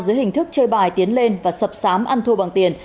dưới hình thức chơi bài tiến lên và sập sám ăn thua bằng tiền